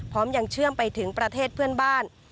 ยังเชื่อมไปถึงประเทศเพื่อนบ้าน